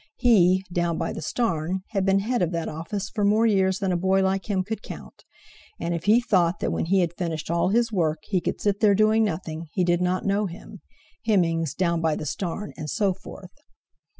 He (Down by the starn) had been head of that office for more years than a boy like him could count, and if he thought that when he had finished all his work, he could sit there doing nothing, he did not know him, Hemmings (Down by the starn), and so forth.